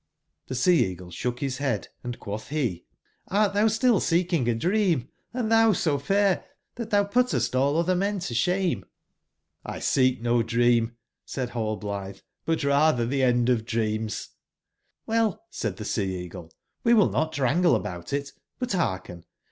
tTbe Sea/eagle sbook bis bead, and quotb be :" Hrt tbou still seeking a dream ? and tbou so fair tbat tbou puttest all otber men to sbame"j!^"Iseek no dream,"said Hallblitbe, "but ratber tbe end of dreams "^"Cdell," said tbe Sea/eagle, " we will not wrangle about it. But beark en.